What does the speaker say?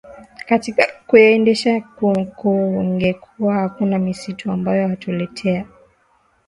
katika kuyaendesha kungekuwa hakuna misitu ambayo hutuletea